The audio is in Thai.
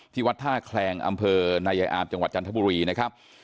วัดท่าแคลงอำเภอนายายอามจังหวัดจันทบุรีนะครับ